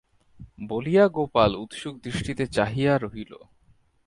বলিয়া গোপাল উৎসুক দৃষ্টিতে চাহিয়া রহিল।